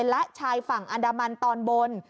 และชายฝั่งอันดามันตอนบน